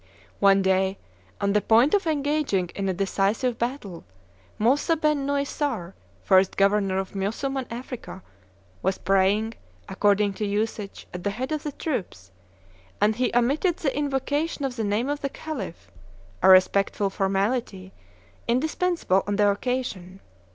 One day, on the point of engaging in a decisive battle, Moussaben Nossair, first governor of Mussulman Africa, was praying, according to usage, at the head of the troops; and he omitted the invocation of the name of the Khalif, a respectful formality indispensable on the occasion.